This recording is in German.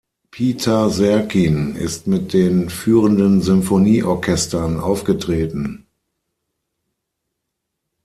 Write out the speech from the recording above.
Peter Serkin ist mit den führenden Symphonieorchestern aufgetreten.